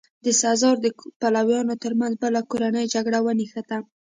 د سزار د پلویانو ترمنځ بله کورنۍ جګړه ونښته.